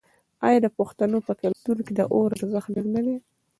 آیا د پښتنو په کلتور کې د اور ارزښت ډیر نه دی؟